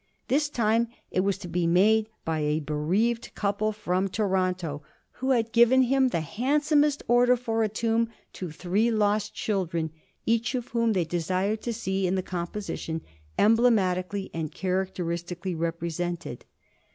This time it was to be made by a bereaved couple from Toronto, who had given him the handsomest order for a tomb to three lost children, each of whom they desired to see, in the composition, emblematically and characteristically represented.